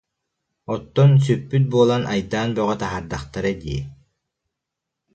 Оттон сүппүт буолан айдаан бөҕө таһаардахтара дии